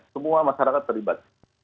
semua masyarakat terlibat